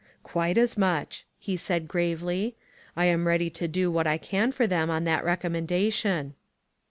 "Quite as much," he said gravely. "I am ready to do what I can for them on that recommendation."